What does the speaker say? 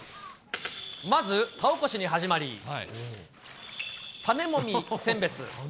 まず田起こしに始まり、種もみ選別。